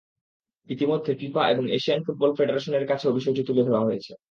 ইতিমধ্যে ফিফা এবং Asian football কনফেডারেশনের কাছেও বিষয়টি তুলে ধরা হয়েছে।